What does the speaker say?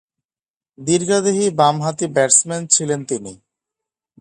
দীর্ঘদেহী বামহাতি ব্যাটসম্যান ছিলেন তিনি।